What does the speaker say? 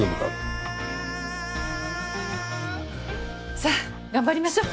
さあ頑張りましょう！